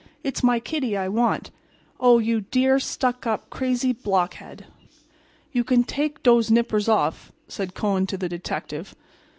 "It's my Kiddy I want. Oh, you dear, stuck up, crazy blockhead!" "You can take dose nippers off," said Kohen to the detective.